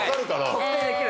特定できる。